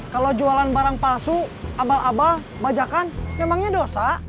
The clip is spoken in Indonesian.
kalau jualan barang palsu abal abal bajakan memangnya dosa